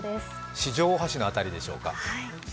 四条大橋の辺りでしょうか。